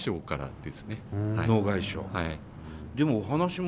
はい。